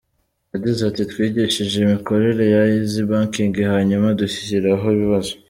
Yagize ati “Twigishije imikorere ya Eazzy Banking, hanyuma dushyiraho ibibazo.